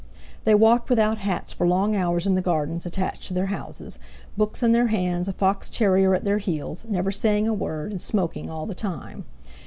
They walked without hats for long hours in the Gardens attached to their house, books in their hands, a fox terrier at their heels, never saying a word, and smoking all the time.